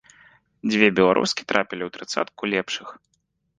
Дзве беларускі трапілі ў трыццатку лепшых.